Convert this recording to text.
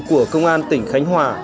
của công an tỉnh khánh hòa